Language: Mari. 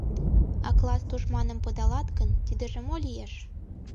А класс тушманым пыдалат гын, тидыже мо лиеш?